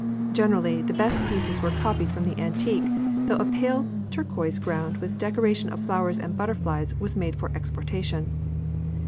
Generally, the best pieces were copied from the antique, though a pale turquoise ground with decoration of flowers and butterflies was made for exportation.